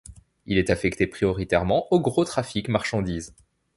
Il est affecté prioritairement au gros trafic marchandises.